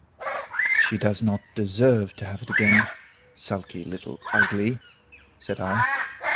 "She does not deserve to have it again, sulky Little Ugly!" said I.